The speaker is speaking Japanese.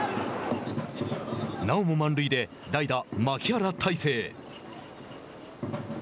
なおも満塁で代打・牧原大成。